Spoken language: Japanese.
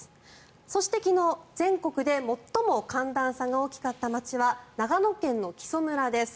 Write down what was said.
そして、昨日全国で最も寒暖差が大きかった街は長野県の木祖村です。